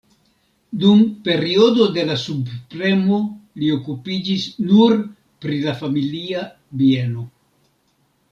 Dum periodo de la subpremo li okupiĝis nur pri la familia bieno.